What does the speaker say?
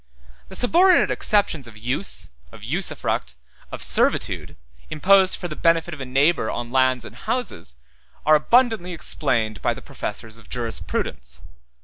The subordinate exceptions of use, of usufruct, 141 of servitude, 142 imposed for the benefit of a neighbor on lands and houses, are abundantly explained by the professors of jurisprudence.